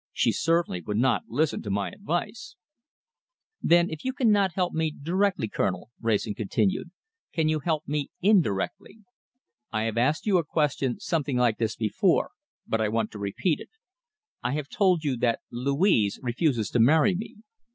She certainly would not listen to my advice." "Then if you cannot help me directly, Colonel," Wrayson continued, "can you help me indirectly? I have asked you a question something like this before, but I want to repeat it. I have told you that Louise refuses to marry me.